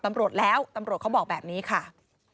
ตำรวจแล้วตำรวจเขาบอกแบบนี้ค่ะ